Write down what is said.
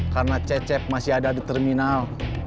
karena cecep masih ada di terminal